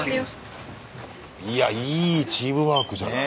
いやいいチームワークじゃない。